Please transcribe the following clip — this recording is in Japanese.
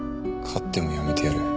勝っても辞めてやるよ。